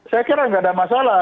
saya kira nggak ada masalah